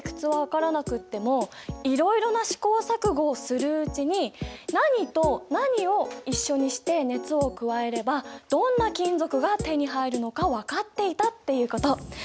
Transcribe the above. いろいろな試行錯誤をするうちに何と何を一緒にして熱を加えればどんな金属が手に入るのか分かっていたっていうこと。